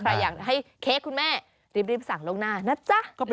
ใครอยากให้เค้กคุณแม่รีบสั่งล่วงหน้านะจ๊ะ